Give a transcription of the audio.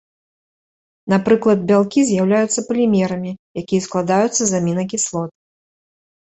Напрыклад, бялкі з'яўляюцца палімерамі, якія складаюцца з амінакіслот.